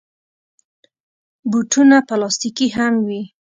بوټونه پلاستيکي هم وي.